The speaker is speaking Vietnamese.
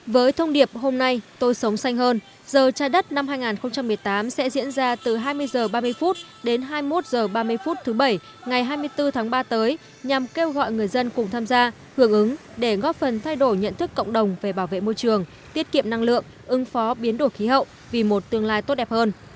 với thông điệp hôm nay tôi sống xanh hơn giờ trái đất năm hai nghìn một mươi tám sẽ diễn ra từ hai mươi h ba mươi đến hai mươi một h ba mươi phút thứ bảy ngày hai mươi bốn tháng ba tới nhằm kêu gọi người dân cùng tham gia hưởng ứng để góp phần thay đổi nhận thức cộng đồng về bảo vệ môi trường tiết kiệm năng lượng ứng phó biến đổi khí hậu vì một tương lai tốt đẹp hơn